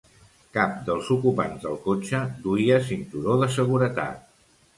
Cap dels ocupants del cotxe duia cinturó de seguretat.